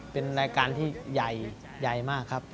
เป็นรายการที่ใหญ่มากครับ